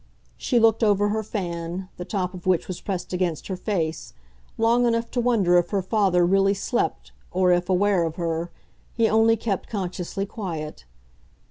She looked over her fan, the top of which was pressed against her face, long enough to wonder if her father really slept or if, aware of her, he only kept consciously quiet.